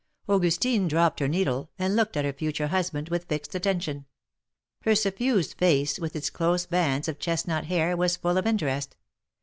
Augustine dropped her needle, and looked at her future husband with fixed attention. Her suffused face, with its close bands of chestnut hair, was full of interest.